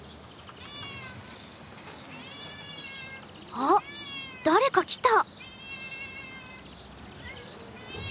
あっ誰か来た。